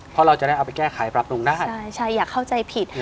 เพราะเราจะได้เอาไปแก้ไขปรับปรุงได้ใช่ใช่อย่าเข้าใจผิด